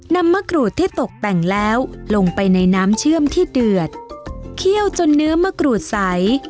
มะกรูดที่ตกแต่งแล้วลงไปในน้ำเชื่อมที่เดือดเคี่ยวจนเนื้อมะกรูดใส